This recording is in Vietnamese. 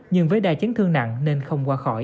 nhưng với đa chấn thương nặng nên không qua khỏi